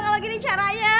kalau gini caranya